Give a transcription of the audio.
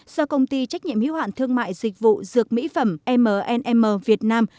do công ty trách nhiệm hiếu hạn thương mại dịch vụ dược mỹ phẩm mnm việt nam